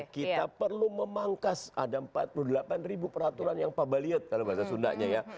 kita perlu memangkas ada empat puluh delapan ribu peraturan yang pabaliot kalau bahasa sundanya ya